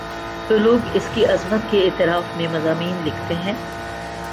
تو لوگ اس کی عظمت کے اعتراف میں مضامین لکھتے ہیں۔